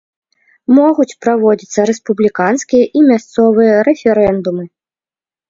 Могуць праводзіцца рэспубліканскія і мясцовыя рэферэндумы.